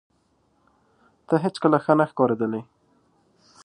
ته هیڅکله ښه نه ښکارېدلې